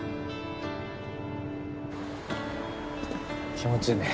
気持ちいいね。